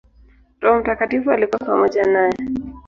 Roho Mtakatifu alikuwa pamoja naye.